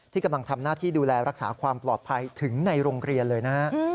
กำลังทำหน้าที่ดูแลรักษาความปลอดภัยถึงในโรงเรียนเลยนะฮะ